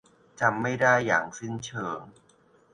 จำไม่ได้อย่างสิ้นเชิง